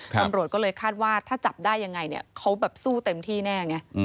ตำรวจก็เลยคาดว่าถ้าจับได้ยังไงเนี่ยเขาแบบสู้เต็มที่แน่ไง